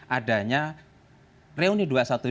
adanya reuni dua ratus dua belas